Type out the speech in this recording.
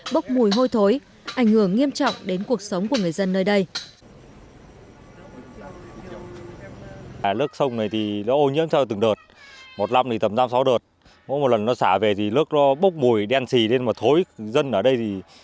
bốc mùi hôi thối ảnh hưởng nghiêm trọng đến cuộc sống của người dân nơi đây